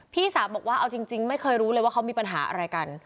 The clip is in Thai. พี่สาวบอกว่าเอาจริงไม่เคยรู้เลยว่าเขามีปัญหาอะไรกัน